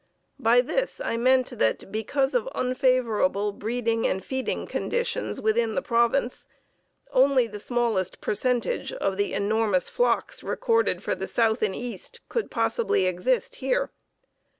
By this I meant that, because of unfavorable breeding and feeding conditions within the province, only the smallest percentage of the enormous flocks recorded for the south and east could possibly exist here.